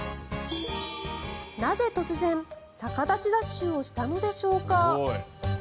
なぜ、突然、逆立ちダッシュをしたのでしょうか。